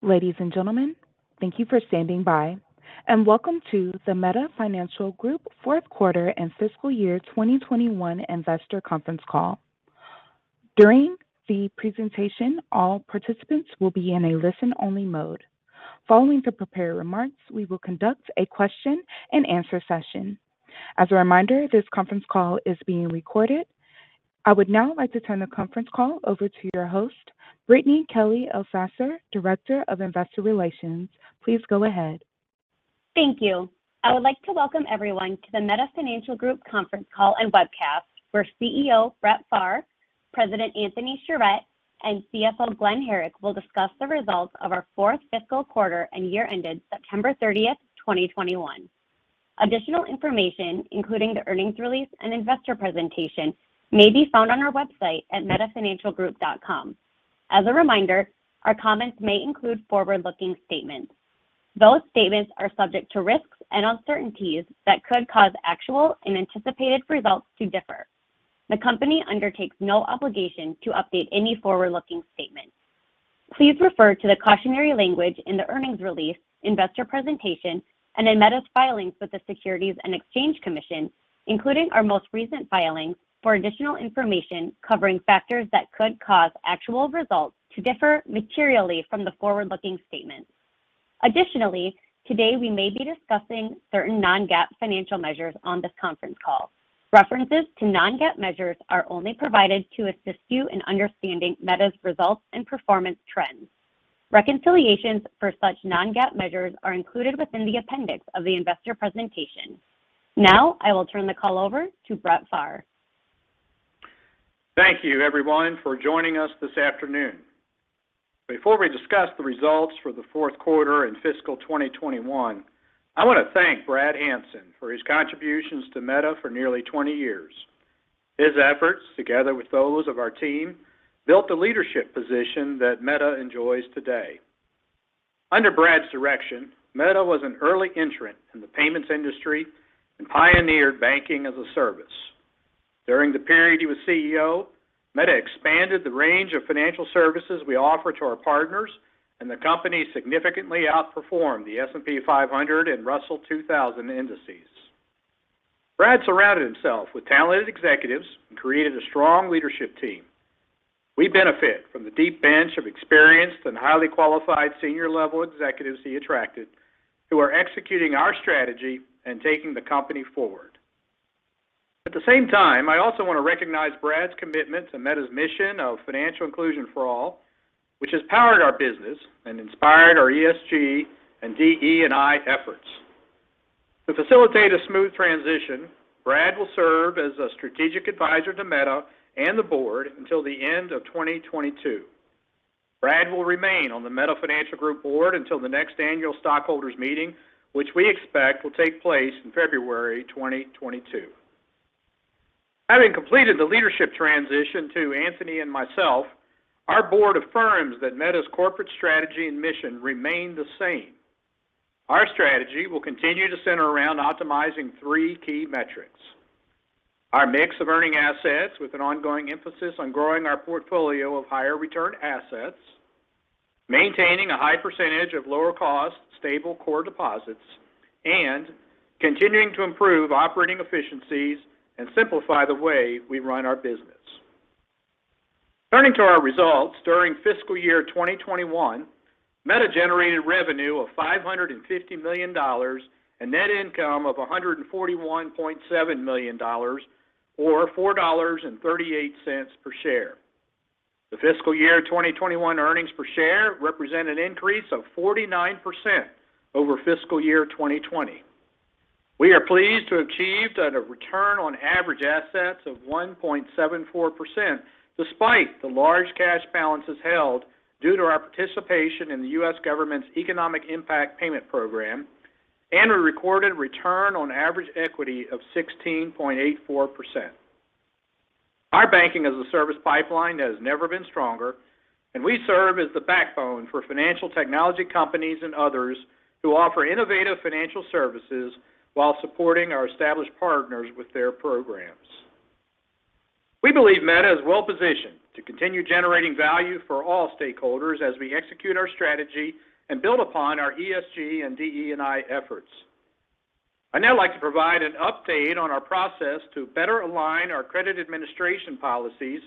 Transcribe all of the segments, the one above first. Ladies and gentlemen, thank you for standing by, and welcome to the Meta Financial Group Fourth Quarter and Fiscal Year 2021 Investor Conference Call. During the presentation, all participants will be in a listen-only mode. Following the prepared remarks, we will conduct a question-and-answer session. As a reminder, this conference call is being recorded. I would now like to turn the conference call over to your host, Brittany Kelley Elsasser, Director of Investor Relations. Please go ahead. Thank you. I would like to welcome everyone to the Meta Financial Group conference call and webcast for CEO Brett Pharr, President Anthony Sharett, and CFO Glen Herrick to discuss the results of our fourth fiscal quarter and year ended September 30th, 2021. Additional information, including the earnings release and investor presentation, may be found on our website at metafinancialgroup.com. As a reminder, our comments may include forward-looking statements. Those statements are subject to risks and uncertainties that could cause actual and anticipated results to differ. The company undertakes no obligation to update any forward-looking statement. Please refer to the cautionary language in the earnings release, investor presentation, and in Meta's filings with the Securities and Exchange Commission, including our most recent filings for additional information covering factors that could cause actual results to differ materially from the forward-looking statements. Additionally, today we may be discussing certain non-GAAP financial measures on this conference call. References to non-GAAP measures are only provided to assist you in understanding Meta's results and performance trends. Reconciliations for such non-GAAP measures are included within the appendix of the investor presentation. Now, I will turn the call over to Brett Pharr. Thank you, everyone for joining us this afternoon. Before we discuss the results for the fourth quarter and fiscal 2021, I wanna thank Brad Hanson for his contributions to Meta for nearly 20 years. His efforts, together with those of our team, built the leadership position that Meta enjoys today. Under Brad's direction, Meta was an early entrant in the payments industry and pioneered banking-as-a-service. During the period he was CEO, Meta expanded the range of financial services we offer to our partners, and the company significantly outperformed the S&P 500 and Russell 2000 indices. Brad surrounded himself with talented executives and created a strong leadership team. We benefit from the deep bench of experienced and highly qualified senior-level executives he attracted who are executing our strategy and taking the company forward. At the same time, I also want to recognize Brad's commitment to Meta's mission of financial inclusion for all, which has powered our business and inspired our ESG and DE&I efforts. To facilitate a smooth transition, Brad will serve as a strategic advisor to Meta and the board until the end of 2022. Brad will remain on the Meta Financial Group board until the next annual stockholders' meeting, which we expect will take place in February 2022. Having completed the leadership transition to Anthony and myself, our board affirms that Meta's corporate strategy and mission remain the same. Our strategy will continue to center around optimizing three key metrics, our mix of earning assets with an ongoing emphasis on growing our portfolio of higher return assets, maintaining a high percentage of lower cost, stable core deposits. Continuing to improve operating efficiencies and simplify the way we run our business. Turning to our results during fiscal year 2021, Meta generated revenue of $550 million and net income of $141.7 million or $4.38 per share. The fiscal year 2021 earnings per share represent an increase of 49% over fiscal year 2020. We are pleased to have achieved a return on average assets of 1.74% despite the large cash balances held due to our participation in the U.S. government's Economic Impact Payment program, and we recorded return on average equity of 16.84%. Our banking-as-a-service pipeline has never been stronger, and we serve as the backbone for financial technology companies and others who offer innovative financial services while supporting our established partners with their programs. We believe Meta is well-positioned to continue generating value for all stakeholders as we execute our strategy and build upon our ESG and DE&I efforts. I'd now like to provide an update on our process to better align our credit administration policies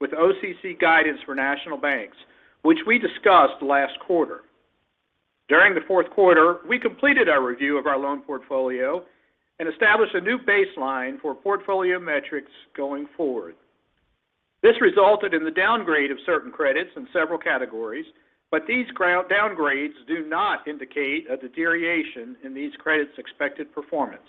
with OCC guidance for national banks, which we discussed last quarter. During the fourth quarter, we completed our review of our loan portfolio and established a new baseline for portfolio metrics going forward. This resulted in the downgrade of certain credits in several categories, but these downgrades do not indicate a deterioration in these credits' expected performance.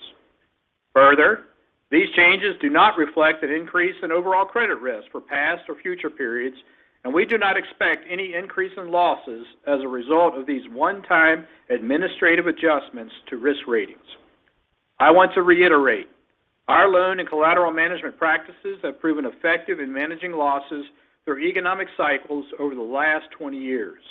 Further, these changes do not reflect an increase in overall credit risk for past or future periods, and we do not expect any increase in losses as a result of these one-time administrative adjustments to risk ratings. I want to reiterate, our loan and collateral management practices have proven effective in managing losses through economic cycles over the last 20 years.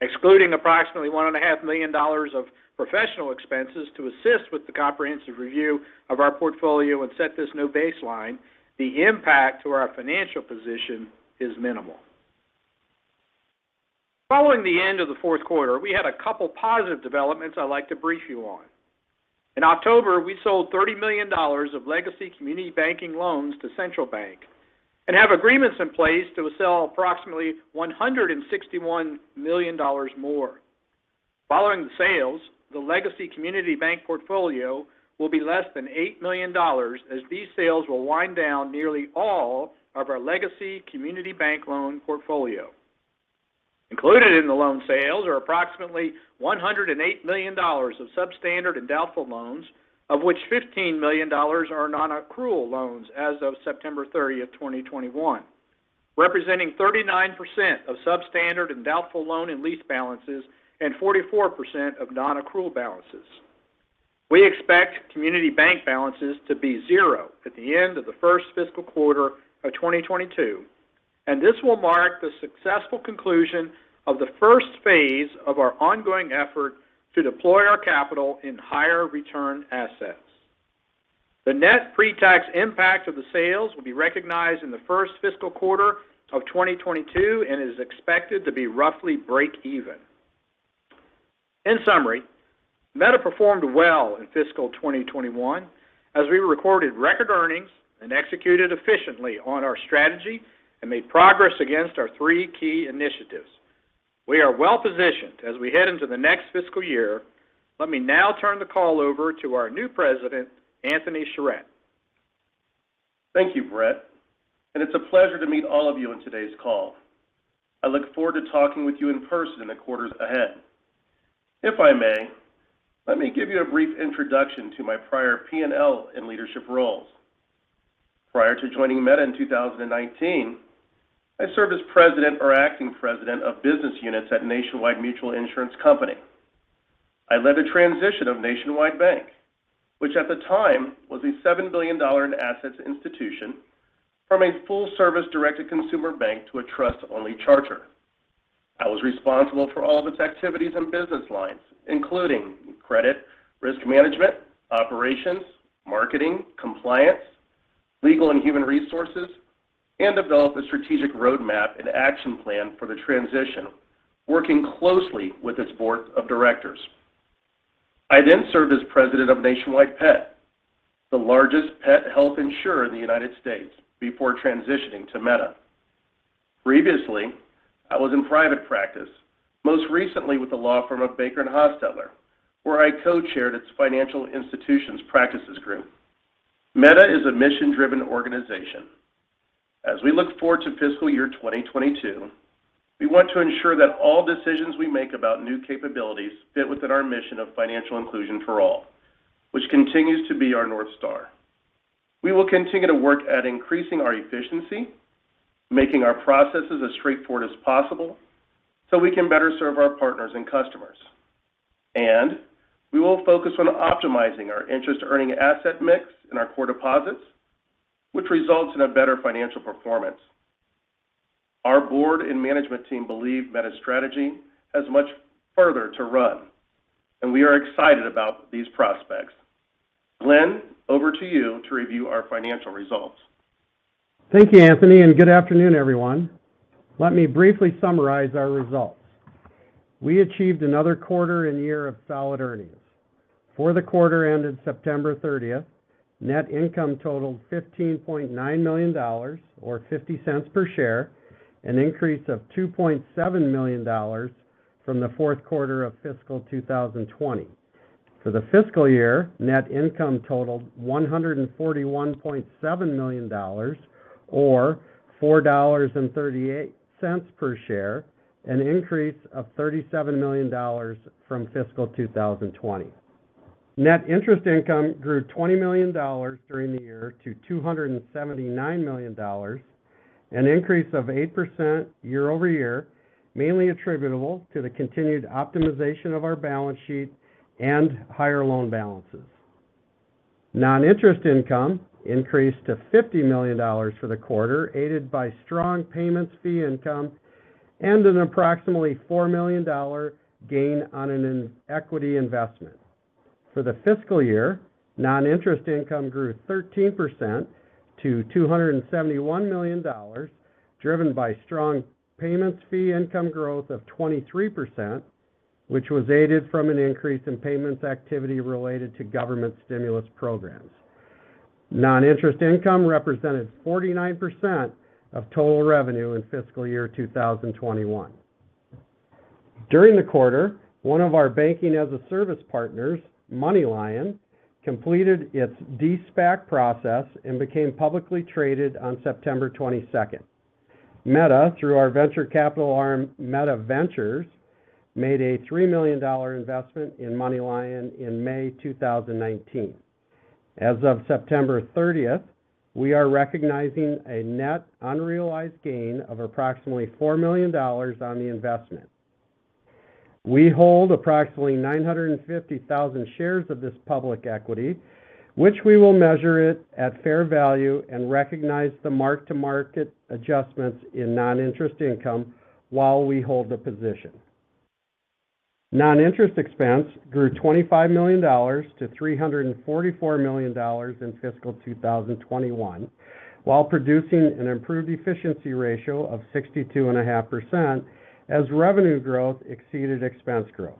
Excluding approximately $1.5 million of professional expenses to assist with the comprehensive review of our portfolio and set this new baseline, the impact to our financial position is minimal. Following the end of the fourth quarter, we had a couple positive developments I'd like to brief you on. In October, we sold $30 million of legacy community banking loans to Central Bank and have agreements in place to sell approximately $161 million more. Following the sales, the legacy community bank portfolio will be less than $8 million, as these sales will wind down nearly all of our legacy community bank loan portfolio. Included in the loan sales are approximately $108 million of substandard and doubtful loans, of which $15 million are non-accrual loans as of September 30th, 2021, representing 39% of substandard and doubtful loan and lease balances, and 44% of non-accrual balances. We expect community bank balances to be zero at the end of the first fiscal quarter of 2022, and this will mark the successful conclusion of the first phase of our ongoing effort to deploy our capital in higher return assets. The net pre-tax impact of the sales will be recognized in the first fiscal quarter of 2022 and is expected to be roughly break even. In summary, Meta performed well in fiscal 2021 as we recorded record earnings and executed efficiently on our strategy and made progress against our three key initiatives. We are well-positioned as we head into the next fiscal year. Let me now turn the call over to our new President, Anthony Sharett. Thank you, Brett, and it's a pleasure to meet all of you on today's call. I look forward to talking with you in person in the quarters ahead. If I may, let me give you a brief introduction to my prior P&L and leadership roles. Prior to joining Meta in 2019, I served as president or acting president of business units at Nationwide Mutual Insurance Company. I led the transition of Nationwide Bank, which at the time was a $7 billion in assets institution, from a full-service directed consumer bank to a trust-only charter. I was responsible for all of its activities and business lines, including credit, risk management, operations, marketing, compliance, legal and human resources, and developed a strategic roadmap and action plan for the transition, working closely with its board of directors. I then served as president of Nationwide Pet, the largest pet health insurer in the United States, before transitioning to Meta. Previously, I was in private practice, most recently with the law firm of BakerHostetler, where I co-chaired its financial institutions practice group. Meta is a mission-driven organization. As we look forward to fiscal year 2022, we want to ensure that all decisions we make about new capabilities fit within our mission of financial inclusion for all, which continues to be our North Star. We will continue to work at increasing our efficiency, making our processes as straightforward as possible so we can better serve our partners and customers. We will focus on optimizing our interest-earning asset mix in our core deposits, which results in a better financial performance. Our board and management team believe Meta's strategy has much further to run, and we are excited about these prospects. Glen, over to you to review our financial results. Thank you, Anthony, and good afternoon, everyone. Let me briefly summarize our results. We achieved another quarter and year of solid earnings. For the quarter ended September 30th, net income totaled $15.9 million, or $0.50 per share, an increase of $2.7 million from the fourth quarter of fiscal 2020. For the fiscal year, net income totaled $141.7 million, or $4.38 per share, an increase of $37 million from fiscal 2020. Net interest income grew $20 million during the year to $279 million, an increase of 8% YoY, mainly attributable to the continued optimization of our balance sheet and higher loan balances. Non-interest income increased to $50 million for the quarter, aided by strong payments fee income and an approximately $4 million gain on an equity investment. For the fiscal year, non-interest income grew 13% to $271 million, driven by strong payments fee income growth of 23%, which was aided from an increase in payments activity related to government stimulus programs. Non-interest income represented 49% of total revenue in fiscal year 2021. During the quarter, one of our banking-as-a-service partners, MoneyLion, completed its de-SPAC process and became publicly traded on September 22nd. Meta, through our venture capital arm, Meta Ventures, made a $3 million investment in MoneyLion in May 2019. As of September 30th, we are recognizing a net unrealized gain of approximately $4 million on the investment. We hold approximately 950,000 shares of this public equity, which we will measure it at fair value and recognize the mark-to-market adjustments in non-interest income while we hold the position. Non-interest expense grew $25 million-$344 million in fiscal 2021, while producing an improved efficiency ratio of 62.5% as revenue growth exceeded expense growth.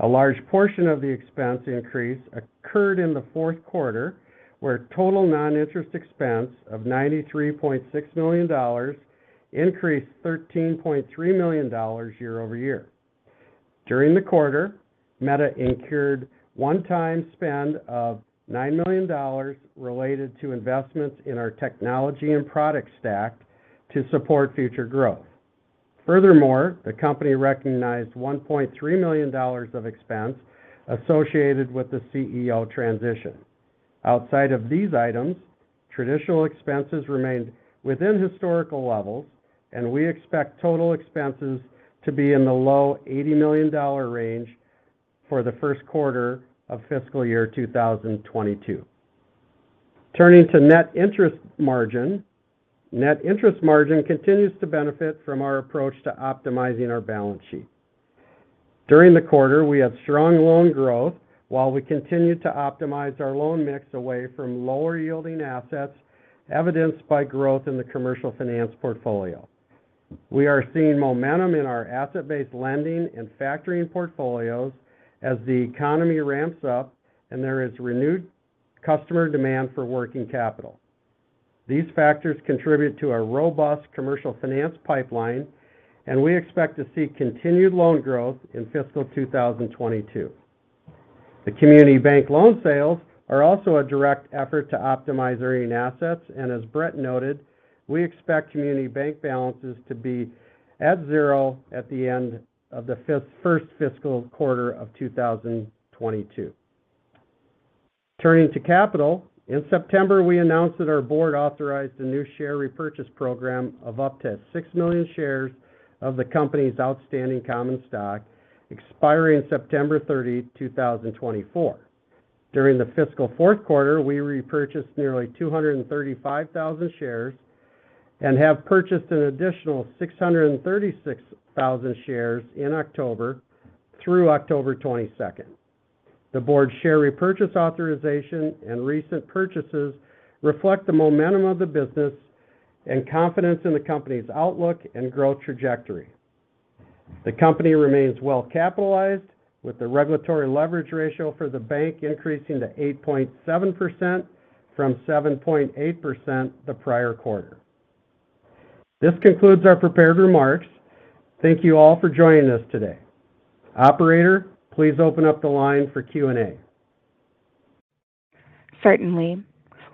A large portion of the expense increase occurred in the fourth quarter, where total non-interest expense of $93.6 million increased $13.3 million YoY. During the quarter, Meta incurred one-time spend of $9 million related to investments in our technology and product stack to support future growth. Furthermore, the company recognized $1.3 million of expense associated with the CEO transition. Outside of these items, traditional expenses remained within historical levels, and we expect total expenses to be in the low $80 million range for the first quarter of fiscal year 2022. Turning to net interest margin. Net interest margin continues to benefit from our approach to optimizing our balance sheet. During the quarter, we have strong loan growth while we continue to optimize our loan mix away from lower yielding assets, evidenced by growth in the commercial finance portfolio. We are seeing momentum in our asset-based lending and factoring portfolios as the economy ramps up and there is renewed customer demand for working capital. These factors contribute to our robust commercial finance pipeline, and we expect to see continued loan growth in fiscal 2022. The community bank loan sales are also a direct effort to optimize earning assets, and as Brett noted, we expect community bank balances to be at zero at the end of the first fiscal quarter of 2022. Turning to capital. In September, we announced that our board authorized a new share repurchase program of up to 6 million shares of the company's outstanding common stock, expiring September 30th, 2024. During the fiscal fourth quarter, we repurchased nearly 235,000 shares and have purchased an additional 636,000 shares in October through October 22nd. The board share repurchase authorization and recent purchases reflect the momentum of the business and confidence in the company's outlook and growth trajectory. The company remains well capitalized, with the regulatory leverage ratio for the bank increasing to 8.7% from 7.8% the prior quarter. This concludes our prepared remarks. Thank you all for joining us today. Operator, please open up the line for Q&A. Certainly.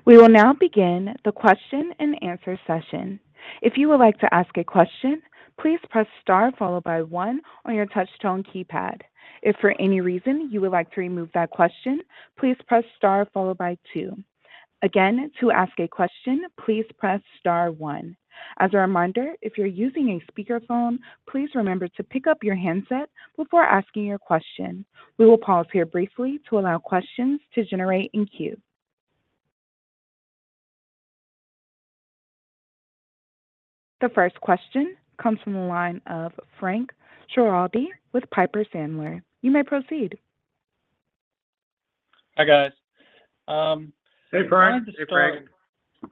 We will now begin the question and answer session. If you would like to ask a question, please press star followed by one on your touch tone keypad. If for any reason you would like to remove that question, please press star followed by two. Again, to ask a question, please press star one. As a reminder, if you're using a speakerphone, please remember to pick up your handset before asking your question. We will pause here briefly to allow questions to generate in queue. The first question comes from the line of Frank Schiraldi with Piper Sandler. You may proceed. Hi, guys. Hey, Frank. Hey, Frank. I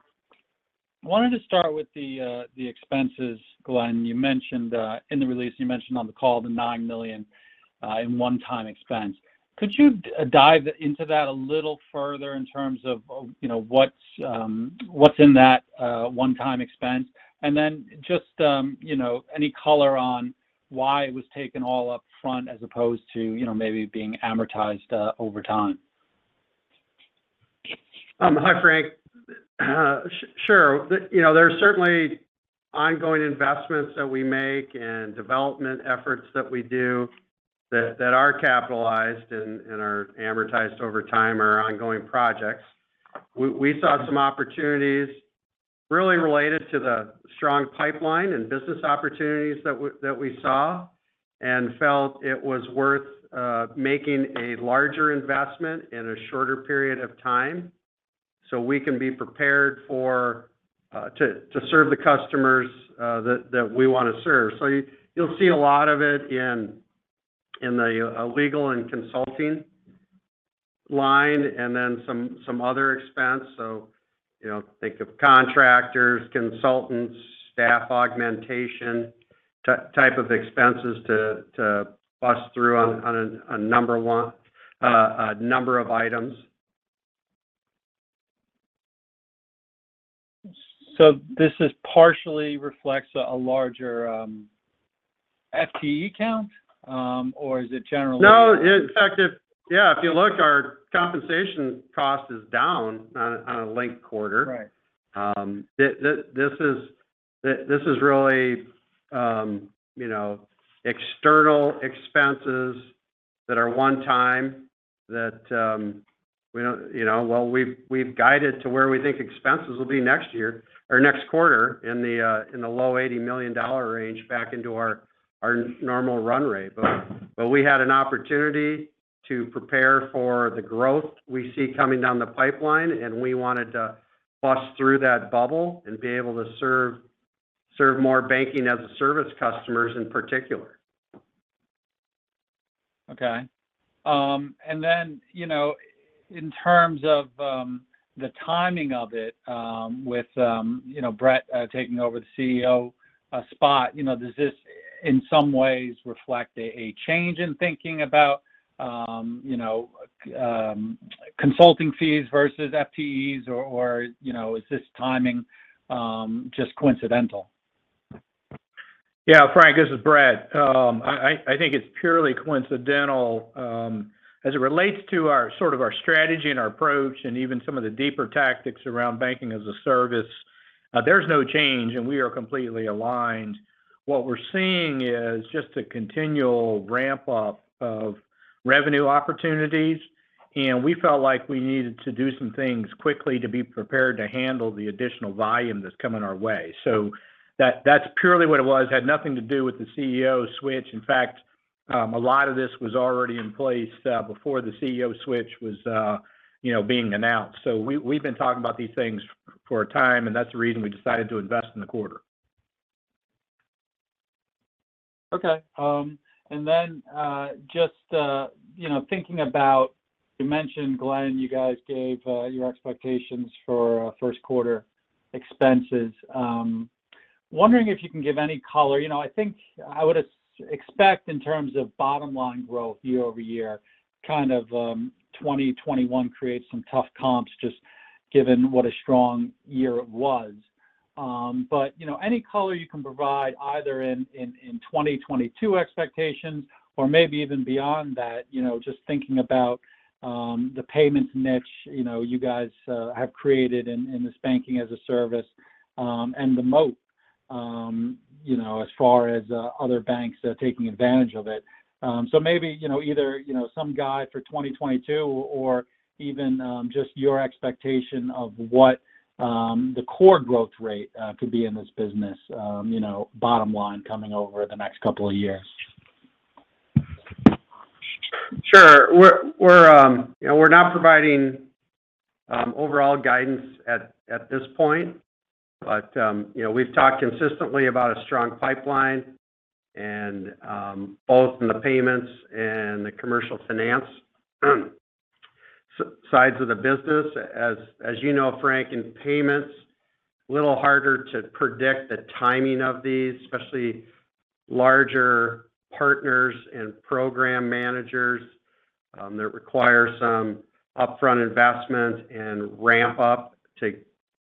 wanted to start with the expenses, Glen. You mentioned in the release on the call the $9 million in one-time expense. Could you dive into that a little further in terms of, you know, what's in that one-time expense? Just, you know, any color on why it was taken all up front as opposed to, you know, maybe being amortized over time? Hi, Frank. Sure. You know, there are certainly ongoing investments that we make and development efforts that we do that are capitalized and are amortized over time are ongoing projects. We saw some opportunities really related to the strong pipeline and business opportunities that we saw and felt it was worth making a larger investment in a shorter period of time, so we can be prepared to serve the customers that we wanna serve. So you'll see a lot of it in the legal and consulting line and then some other expense. So, you know, think of contractors, consultants, staff augmentation type of expenses to bust through on a number of items. This partially reflects a larger FTE count, or is it generally- No. In fact, yeah, if you look, our compensation cost is down on a linked quarter. Right. This is really, you know, external expenses that are one-time that we don't, you know. Well, we've guided to where we think expenses will be next year or next quarter in the low $80 million range back into our normal run rate. We had an opportunity to prepare for the growth we see coming down the pipeline, and we wanted to bust through that bubble and be able to serve more banking-as-a-service customers in particular. Okay. You know, in terms of the timing of it, with you know, Brett taking over the CEO spot, you know, does this in some ways reflect a change in thinking about you know, consulting fees versus FTEs or, you know, is this timing just coincidental? Yeah. Frank, this is Brett. I think it's purely coincidental. As it relates to our sort of strategy and our approach and even some of the deeper tactics around banking-as-a-service, there's no change, and we are completely aligned. What we're seeing is just a continual ramp up of revenue opportunities, and we felt like we needed to do some things quickly to be prepared to handle the additional volume that's coming our way. That's purely what it was. It had nothing to do with the CEO switch. In fact, a lot of this was already in place before the CEO switch was you know being announced. We've been talking about these things for a time, and that's the reason we decided to invest in the quarter. Okay. Then, just, you know, thinking about you mentioned, Glen, you guys gave your expectations for first quarter expenses. Wondering if you can give any color. You know, I think I would expect in terms of bottom line growth YoY, kind of, 2021 creates some tough comps just given what a strong year it was. You know, any color you can provide either in 2022 expectations or maybe even beyond that. You know, just thinking about the payments niche, you know, you guys have created in this banking-as-a-service and the moat, you know, as far as other banks taking advantage of it. Maybe, you know, either, you know, some guide for 2022 or even, just your expectation of what, the core growth rate could be in this business, you know, bottom line coming over the next couple of years. Sure. You know, we're not providing overall guidance at this point. You know, we've talked consistently about a strong pipeline and both in the payments and the commercial finance sides of the business. As you know, Frank, in payments, it's a little harder to predict the timing of these, especially larger partners and program managers that require some upfront investment and ramp up to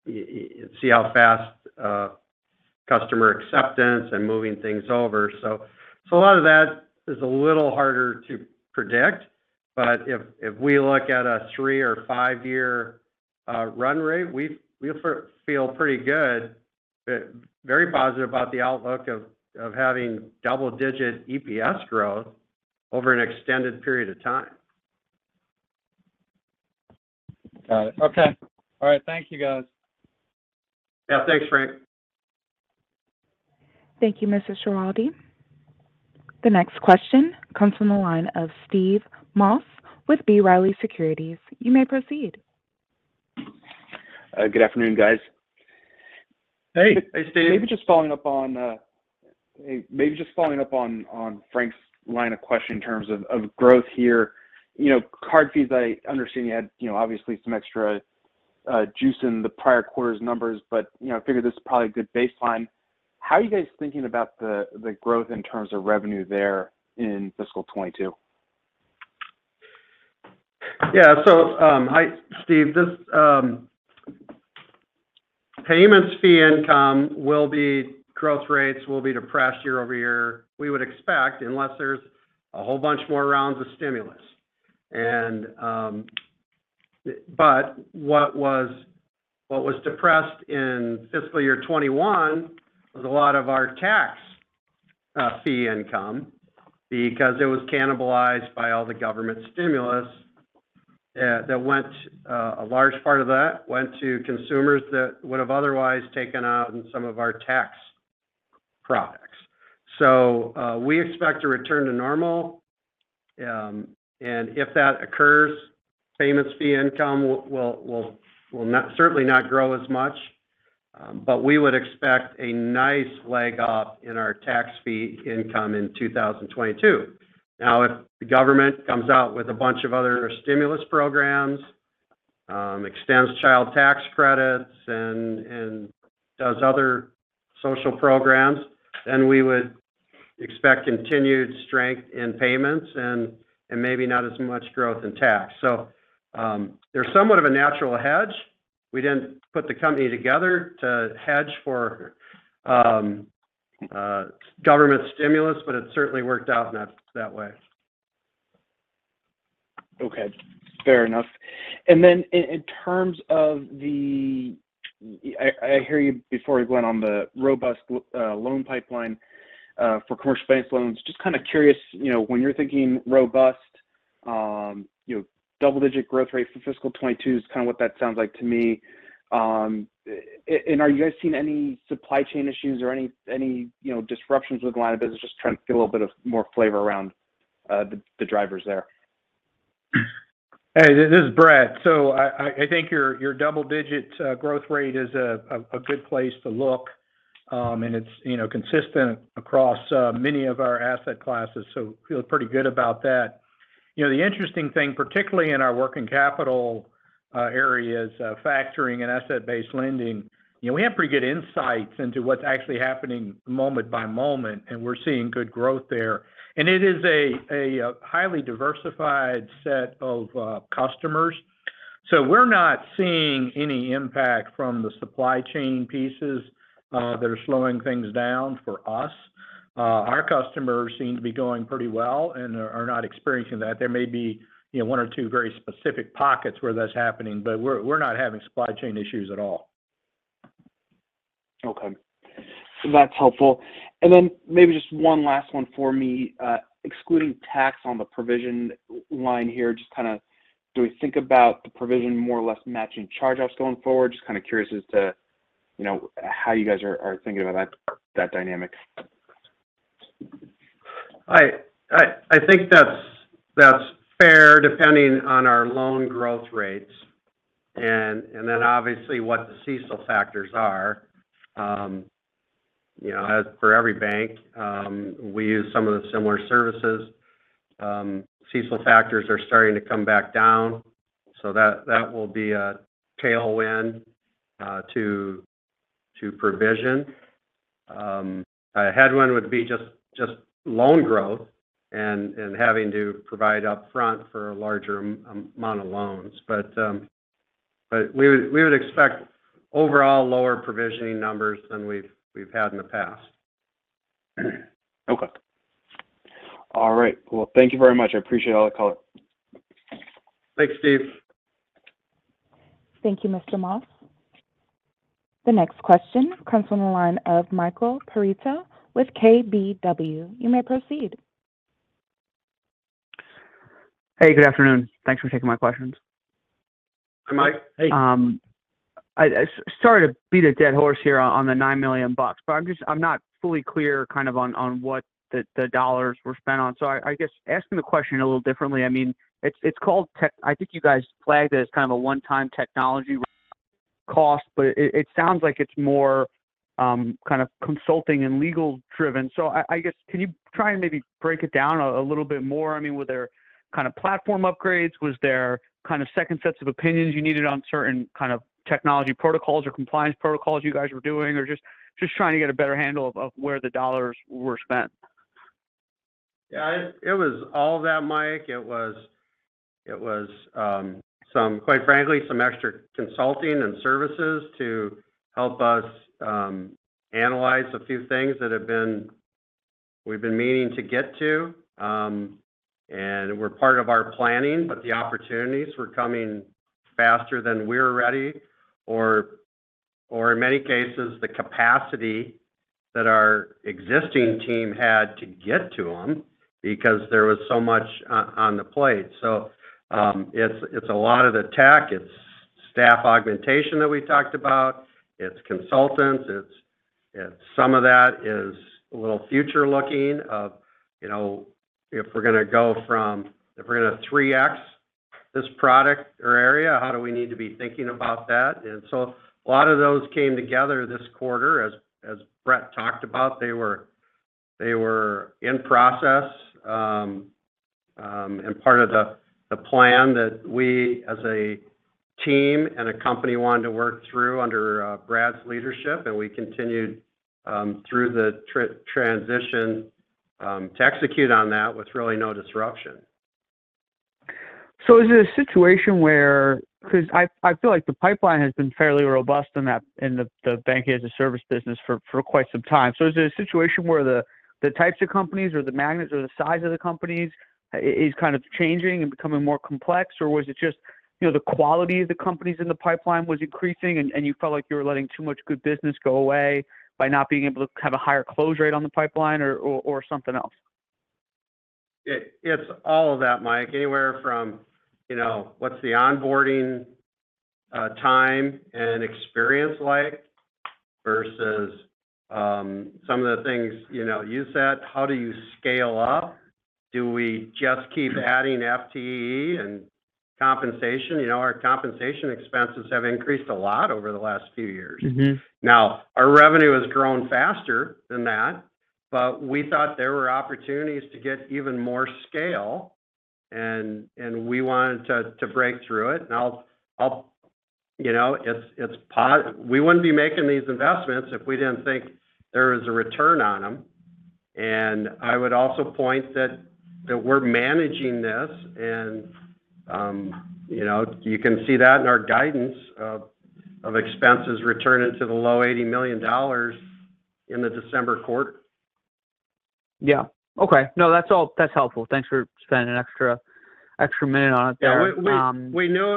see how fast customer acceptance and moving things over. A lot of that is a little harder to predict. If we look at a three or five year run rate, we feel pretty good, very positive about the outlook of having double-digit EPS growth over an extended period of time. Got it. Okay. All right. Thank you, guys. Yeah. Thanks, Frank. Thank you, Mr. Schiraldi. The next question comes from the line of Steve Moss with B. Riley Securities. You may proceed. Good afternoon, guys. Hey. Hey, Steve. Maybe just following up on Frank's line of questioning in terms of growth here. You know, card fees, I understand you had, you know, obviously some extra juice in the prior quarter's numbers. You know, I figured this is probably a good baseline. How are you guys thinking about the growth in terms of revenue there in fiscal 2022? Steve, this payments fee income growth rates will be depressed YoY, we would expect, unless there's a whole bunch more rounds of stimulus. But what was depressed in fiscal year 2021 was a lot of our tax fee income because it was cannibalized by all the government stimulus, a large part of that went to consumers that would have otherwise taken out in some of our tax products. We expect to return to normal. If that occurs, payments fee income will certainly not grow as much. We would expect a nice leg up in our tax fee income in 2022. Now, if the government comes out with a bunch of other stimulus programs, extends child tax credits and does other social programs, then we would expect continued strength in payments and maybe not as much growth in tax. They're somewhat of a natural hedge. We didn't put the company together to hedge for government stimulus, but it certainly worked out that way. Okay. Fair enough. In terms of the, I hear you before you went on the robust loan pipeline for commercial bank loans. Just kind of curious, you know, when you're thinking robust, you know, double-digit growth rate for fiscal 2022 is kind of what that sounds like to me. Are you guys seeing any supply chain issues or any disruptions with the line of business? Just trying to get a little bit more flavor around the drivers there. Hey, this is Brett. I think your double-digit growth rate is a good place to look. It's you know consistent across many of our asset classes. I feel pretty good about that. You know, the interesting thing, particularly in our working capital areas, factoring and asset-based lending, you know, we have pretty good insights into what's actually happening moment by moment, and we're seeing good growth there. It is a highly diversified set of customers. We're not seeing any impact from the supply chain pieces that are slowing things down for us. Our customers seem to be doing pretty well and are not experiencing that. There may be you know one or two very specific pockets where that's happening, but we're not having supply chain issues at all. Okay. That's helpful. Maybe just one last one for me. Excluding tax on the provision line here, just kind of do we think about the provision more or less matching charge-offs going forward? Just kind of curious as to, you know, how you guys are thinking about that dynamic. I think that's fair depending on our loan growth rates and then obviously what the CECL factors are. You know, as for every bank, we use some of the similar services. CECL factors are starting to come back down. That will be a tailwind to provision. A headwind would be just loan growth and having to provide up front for a larger amount of loans. We would expect overall lower provisioning numbers than we've had in the past. Okay. All right. Well, thank you very much. I appreciate all the color. Thanks, Steve. Thank you, Mr. Moss. The next question comes from the line of Michael Perito with KBW. You may proceed. Hey, good afternoon. Thanks for taking my questions. Hi, Mike. Hey. Sorry to beat a dead horse here on the $9 million, but I'm just not fully clear kind of on what the dollars were spent on. I guess asking the question a little differently. I mean, it's called tech. I think you guys flagged it as kind of a one-time technology cost, but it sounds like it's more kind of consulting and legal driven. I guess can you try and maybe break it down a little bit more? I mean, were there kind of platform upgrades? Was there kind of second sets of opinions you needed on certain kind of technology protocols or compliance protocols you guys were doing? Or just trying to get a better handle of where the dollars were spent. Yeah, it was all that, Mike. It was quite frankly some extra consulting and services to help us analyze a few things that we've been meaning to get to and were part of our planning. The opportunities were coming faster than we were ready or in many cases the capacity that our existing team had to get to them because there was so much on the plate. It's a lot of the tech. It's staff augmentation that we talked about. It's consultants. It's some of that is a little future-looking of you know if we're going to 3x this product or area how do we need to be thinking about that? A lot of those came together this quarter. As Brett talked about, they were in process and part of the plan that we as a team and a company wanted to work through under Brad's leadership. We continued through the transition to execute on that with really no disruption. Is it a situation where 'cause I feel like the pipeline has been fairly robust in that in the banking-as-a-service business for quite some time? Is it a situation where the types of companies or the magnitudes or the size of the companies is kind of changing and becoming more complex? Or was it just, you know, the quality of the companies in the pipeline was increasing and you felt like you were letting too much good business go away by not being able to have a higher close rate on the pipeline or something else? It's all of that, Michael. Anywhere from, you know, what's the onboarding time and experience like versus some of the things, you know, you said, how do you scale up? Do we just keep adding FTE and compensation? You know, our compensation expenses have increased a lot over the last few years. Mm-hmm. Now, our revenue has grown faster than that, but we thought there were opportunities to get even more scale and we wanted to break through it. I'll. You know, we wouldn't be making these investments if we didn't think there was a return on them. I would also point that we're managing this and, you know, you can see that in our guidance of expenses returning to the low $80 million in the December quarter. Yeah. Okay. No, that's helpful. Thanks for spending an extra minute on it there. Yeah. We knew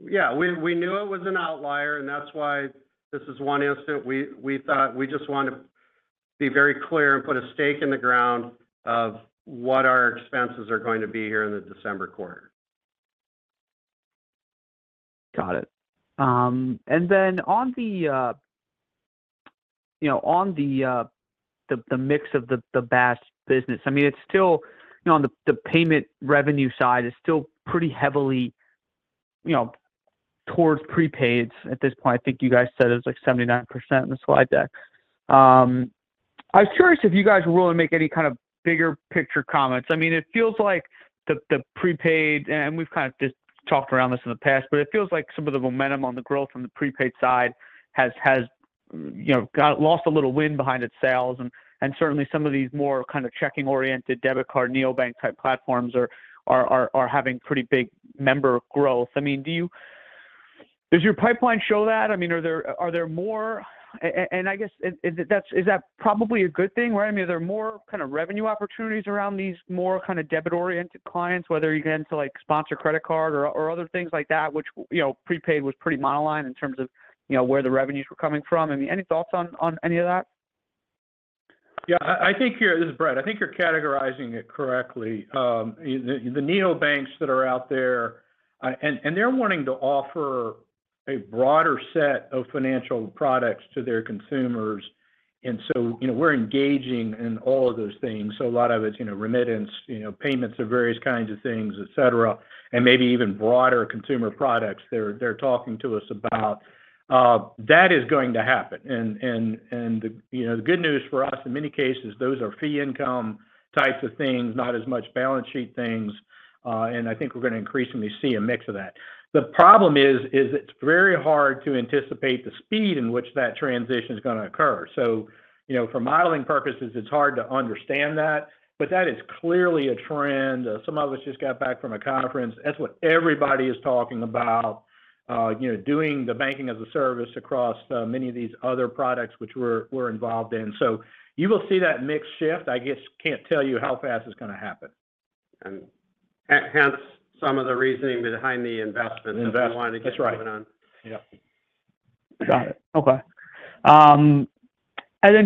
it was an outlier, and that's why this is one instance we thought we just want to be very clear and put a stake in the ground of what our expenses are going to be here in the December quarter. Got it. On the mix of the BaaS business. I mean, it's still on the payment revenue side, it's still pretty heavily towards prepaids at this point. I think you guys said it was like 79% in the slide deck. I was curious if you guys were willing to make any kind of bigger picture comments. I mean, it feels like the prepaid, and we've kind of just talked around this in the past, but it feels like some of the momentum on the growth from the prepaid side has lost a little wind behind its sails. Certainly some of these more kind of checking-oriented debit card, neobank type platforms are having pretty big member growth. I mean, does your pipeline show that? I mean, are there more? I guess, is it probably a good thing, right? I mean, are there more kind of revenue opportunities around these more kind of debit-oriented clients, whether you get into like sponsor credit card or other things like that? Which, you know, prepaid was pretty monoline in terms of, you know, where the revenues were coming from. I mean, any thoughts on any of that? Yeah. This is Brett. I think you're categorizing it correctly. The neobanks that are out there, and they're wanting to offer a broader set of financial products to their consumers. You know, we're engaging in all of those things. A lot of it's you know, remittance, you know, payments of various kinds of things, et cetera, and maybe even broader consumer products they're talking to us about. That is going to happen. You know, the good news for us in many cases, those are fee income types of things, not as much balance sheet things. I think we're gonna increasingly see a mix of that. The problem is it's very hard to anticipate the speed in which that transition is gonna occur. You know, for modeling purposes, it's hard to understand that, but that is clearly a trend. Some of us just got back from a conference. That's what everybody is talking about. You know, doing the banking as a service across many of these other products which we're involved in. You will see that mix shift. I just can't tell you how fast it's gonna happen. Hence some of the reasoning behind the investment. Investment That we wanted to keep moving on. That's right. Yeah. Got it. Okay.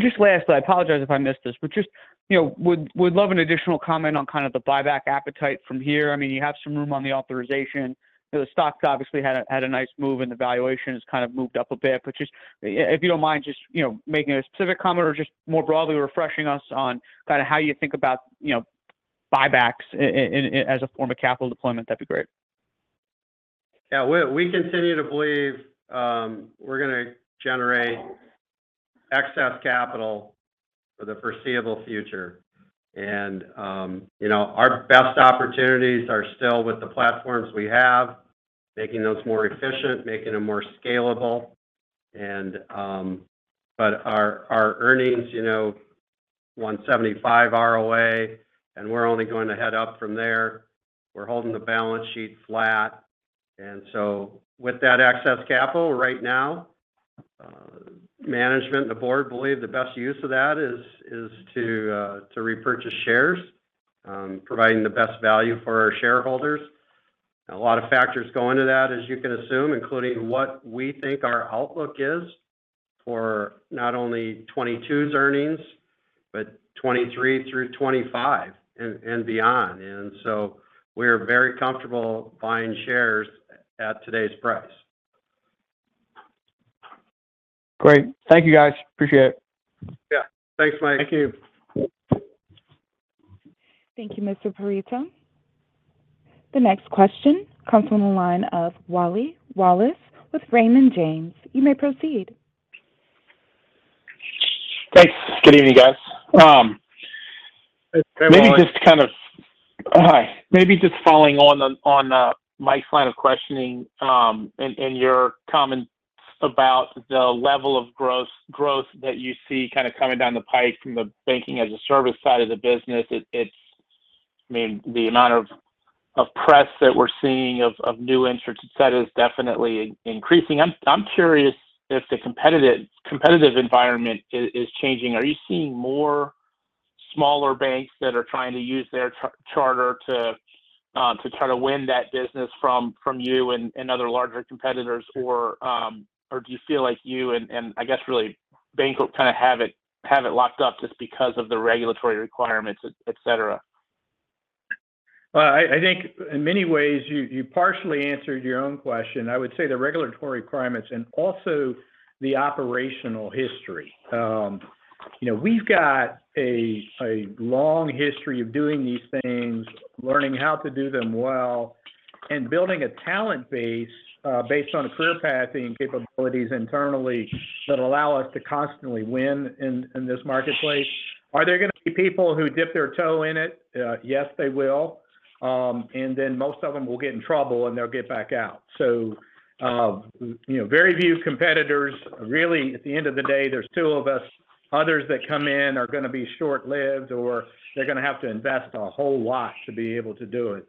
Just lastly, I apologize if I missed this, but just, you know, would love an additional comment on kind of the buyback appetite from here. I mean, you have some room on the authorization. You know, the stock's obviously had a nice move, and the valuation has kind of moved up a bit. Just if you don't mind just, you know, making a specific comment or just more broadly refreshing us on kind of how you think about, you know, buybacks as a form of capital deployment, that'd be great. Yeah. We continue to believe we're gonna generate excess capital for the foreseeable future. You know, our best opportunities are still with the platforms we have, making those more efficient, making them more scalable. But our earnings, you know, 1.75% ROA, and we're only going to head up from there. We're holding the balance sheet flat. With that excess capital right now, management and the board believe the best use of that is to repurchase shares, providing the best value for our shareholders. A lot of factors go into that, as you can assume, including what we think our outlook is for not only 2022's earnings, but 2023 through 2025 and beyond. We're very comfortable buying shares at today's price. Great. Thank you, guys. Appreciate it. Yeah. Thanks, Mike. Thank you. Thank you, Mr. Perito. The next question comes from the line of William Wallace with Raymond James. You may proceed. Thanks. Good evening, guys. Hey, Wally. Hi. Maybe just following on Mike's line of questioning and your comments about the level of growth that you see kind of coming down the pike from the banking as a service side of the business. I mean, the amount of press that we're seeing of new entrants, et cetera, is definitely increasing. I'm curious if the competitive environment is changing. Are you seeing more smaller banks that are trying to use their charter to try to win that business from you and other larger competitors or do you feel like you and I guess really The Bancorp kind of have it locked up just because of the regulatory requirements, et cetera? Well, I think in many ways you partially answered your own question. I would say the regulatory requirements and also the operational history. You know, we've got a long history of doing these things, learning how to do them well, and building a talent base based on career pathing capabilities internally that allow us to constantly win in this marketplace. Are there gonna be people who dip their toe in it? Yes, they will. Most of them will get in trouble, and they'll get back out. You know, very few competitors. Really at the end of the day, there's two of us. Others that come in are gonna be short-lived, or they're gonna have to invest a whole lot to be able to do it.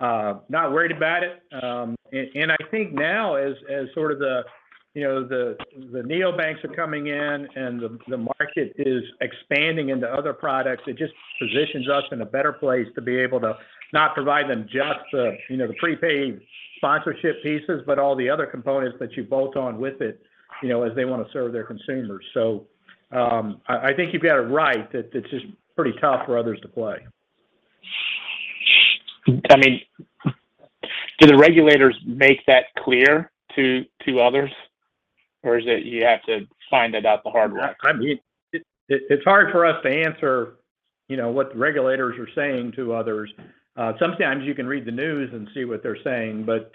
Not worried about it. I think now you know the neobanks are coming in, and the market is expanding into other products. It just positions us in a better place to be able to provide them not just the, you know, the prepaid sponsorship pieces, but all the other components that you bolt on with it, you know, as they wanna serve their consumers. I think you've got it right that it's just pretty tough for others to play. I mean, do the regulators make that clear to others, or is it you have to find it out the hard way? I mean, it's hard for us to answer, you know, what the regulators are saying to others. Sometimes you can read the news and see what they're saying, but,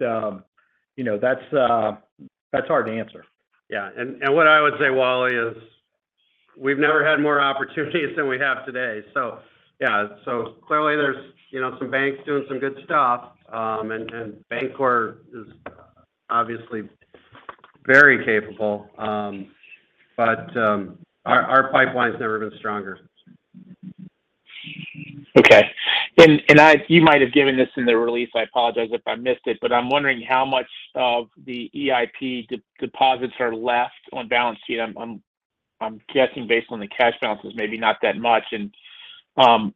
you know, that's hard to answer. What I would say, Wally, is we've never had more opportunities than we have today. Yeah, clearly there's, you know, some banks doing some good stuff. Bancorp is obviously very capable. But our pipeline's never been stronger. Okay. You might have given this in the release. I apologize if I missed it. I'm wondering how much of the EIP deposits are left on balance sheet. I'm guessing based on the cash balances, maybe not that much. Just kind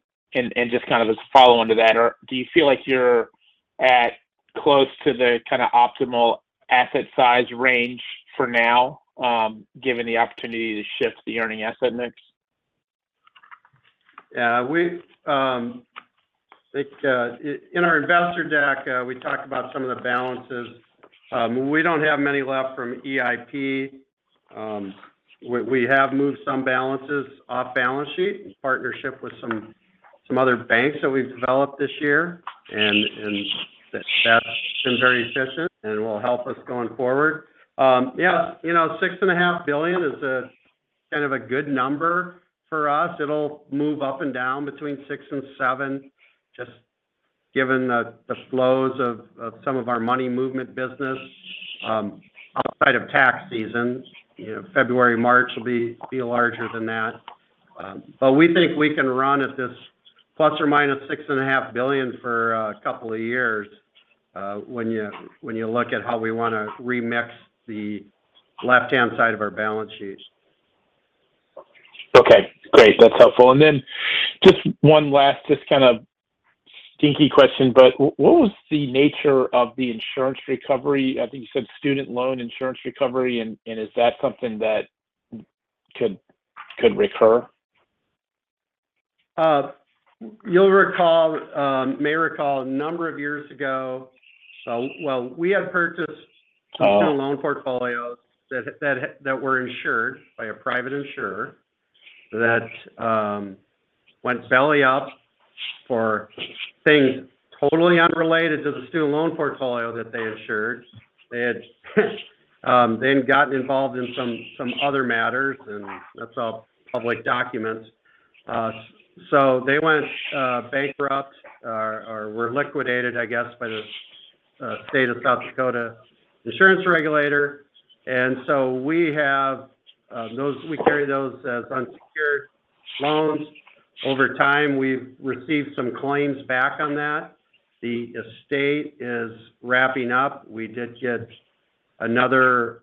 of as a follow-on to that, or do you feel like you're at close to the kind of optimal asset size range for now, given the opportunity to shift the earning asset mix? Yeah. We, like, in our investor deck, we talked about some of the balances. We don't have many left from EIP. We have moved some balances off balance sheet in partnership with some other banks that we've developed this year. That's been very efficient and will help us going forward. Yeah, you know, $6.5 billion is a kind of a good number for us. It'll move up and down between $6 billion and $7 billion, just given the flows of some of our money movement business. Outside of tax season, you know, February, March will be larger than that. We think we can run at this ±$6.5 billion for a couple of years, when you look at how we wanna remix the left-hand side of our balance sheets. Okay, great. That's helpful. Just one last just kind of stinky question, but what was the nature of the insurance recovery? I think you said student loan insurance recovery, and is that something that could recur? You'll recall a number of years ago while we had purchased Oh Student loan portfolios that were insured by a private insurer that went belly up for things totally unrelated to the student loan portfolio that they insured. They had gotten involved in some other matters, and that's all public documents. They went bankrupt or were liquidated, I guess, by the state of South Dakota insurance regulator. We have those. We carry those as unsecured loans. Over time, we've received some claims back on that. The estate is wrapping up. We did get another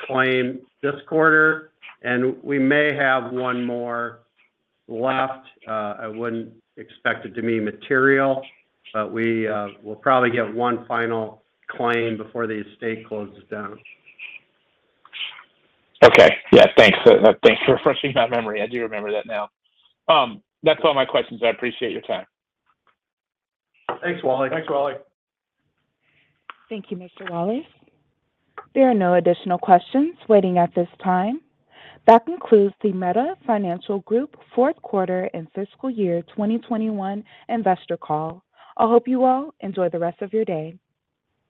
claim this quarter, and we may have one more left. I wouldn't expect it to be material, but we will probably get one final claim before the estate closes down. Okay. Yeah, thanks. Thanks for refreshing my memory. I do remember that now. That's all my questions. I appreciate your time. Thanks, Wally. Thanks, Wally. Thank you, Mr. Wally. There are no additional questions waiting at this time. That concludes the Meta Financial Group fourth quarter and fiscal year 2021 investor call. I hope you all enjoy the rest of your day.